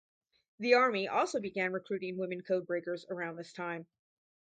The Army also began recruiting women code breakers around this time.